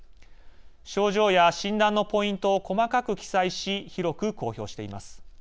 症状や診断のポイントを細かく記載し広く公表しています。